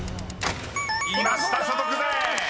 ［いました「所得税」］